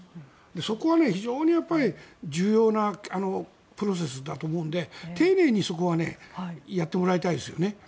そこは非常にやっぱり重要なプロセスだと思うので丁寧に、そこはやってもらいたいですよね。